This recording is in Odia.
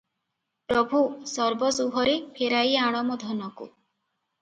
ପ୍ରଭୁ! ସର୍ବଶୁଭରେ ଫେରାଇ ଆଣ ମୋ ଧନକୁ ।